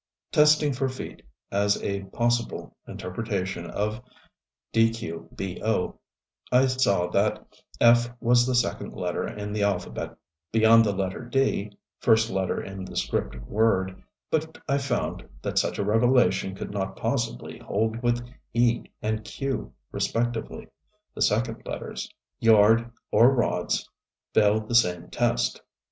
Testing for "feet" as a possible interpretation of "dqbo" I saw that "f" was the second letter in the alphabet beyond the letter "d" first letter in the script word but I found that such a relation could not possibly hold with "e" and "q" respectively, the second letters. "Yard" or "rods" failed the same test.